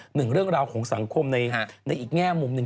หนึ่งเรื่องราวของสังคมในอีกแง่มุมหนึ่ง